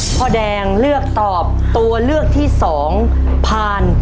พ่อแดงเลือกตอบตัวเลือกที่๒ผ่าน